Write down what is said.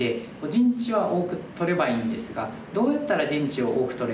陣地は多く取ればいいんですがどうやったら陣地を多く取れるのか。